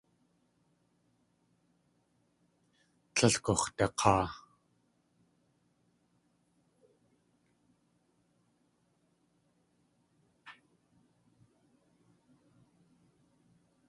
Tlél gux̲dak̲aa.